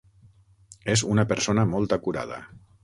És una persona molt acurada.